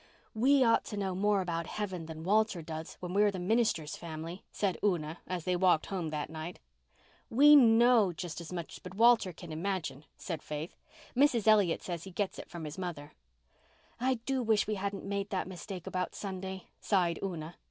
"We ought to know more about heaven than Walter does when we're the minister's family," said Una, as they walked home that night. "We know just as much, but Walter can imagine," said Faith. "Mrs. Elliott says he gets it from his mother." "I do wish we hadn't made that mistake about Sunday," sighed Una.